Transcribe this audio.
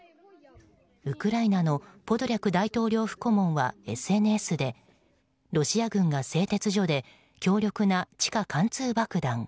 ウクライナのポドリャク大統領顧問はＳＮＳで、ロシア軍が製鉄所で強力な地下貫通爆弾